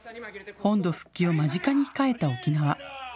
本土復帰を間近に控えた沖縄。